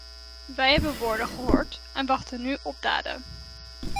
Wij hebben woorden gehoord, en wachten nu op daden.